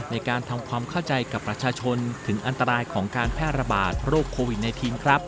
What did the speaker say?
ในการทำความเข้าใจกับประชาชนถึงอันตรายของการแพร่ระบาดโรคโควิด๑๙ครับ